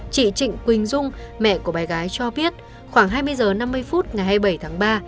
chị trịnh quỳnh dung mẹ của bé gái cho biết khoảng hai mươi h năm mươi phút ngày hai mươi bảy tháng ba